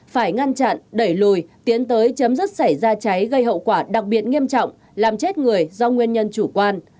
phải ngăn chặn đẩy lùi tiến tới chấm dứt xảy ra cháy gây hậu quả đặc biệt nghiêm trọng làm chết người do nguyên nhân chủ quan